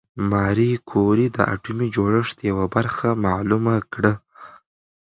ماري کوري د اتومي جوړښت یوه برخه معلومه کړه.